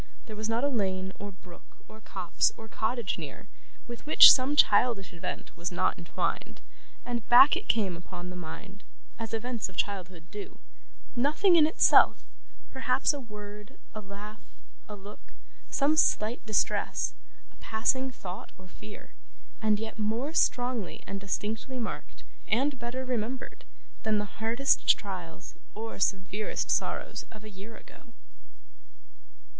There was not a lane, or brook, or copse, or cottage near, with which some childish event was not entwined, and back it came upon the mind as events of childhood do nothing in itself: perhaps a word, a laugh, a look, some slight distress, a passing thought or fear: and yet more strongly and distinctly marked, and better remembered, than the hardest trials or severest sorrows of a year ago.